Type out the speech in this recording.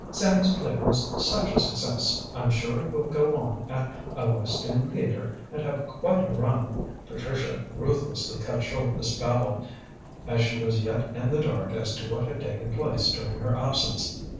"Sammy's play was such a success. I'm sure it will go on at a West End theatre and have quite a run." Patricia ruthlessly cut short this babble, as she was yet in the dark as to what had taken place during her absence.